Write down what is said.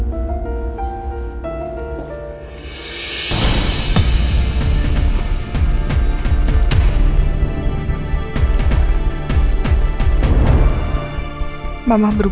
ma aku mau ke kantor polisi